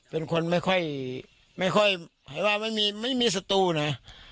เป็นคนไม่ค่อยไม่ค่อยหายว่าไม่มีไม่มีสตูนะ